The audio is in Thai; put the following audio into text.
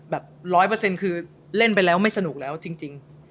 แบบร้อยเปอร์เซ็นต์คือเล่นไปแล้วไม่สนุกแล้วจริง